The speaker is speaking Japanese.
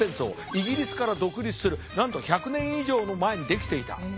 イギリスから独立するなんと１００年以上も前にできていた。